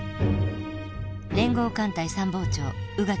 連合艦隊参謀長宇垣纒。